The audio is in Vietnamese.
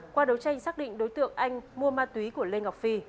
qua đấu tranh xác định đối tượng anh mua ma túy của lê ngọc phi